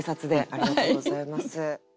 ありがとうございます。